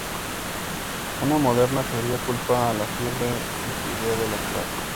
Una moderna teoría culpa a la fiebre tifoidea de la plaga.